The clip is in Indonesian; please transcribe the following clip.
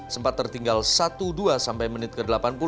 sempat tertinggal satu dua sampai menit ke delapan puluh